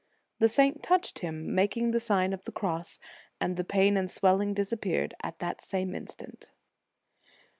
The saint touched him, making the Sign of the Cross, and the pain and swelling" disap peared at the same instant.